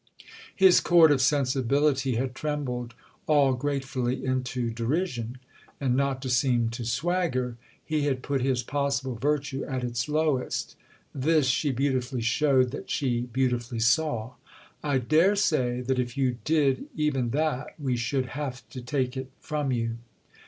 His chord of sensibility had trembled all gratefully into derision, and not to seem to swagger he had put his possible virtue at its lowest. This she beautifully showed that she beautifully saw. "I dare say that if you did even that we should have to take it from you."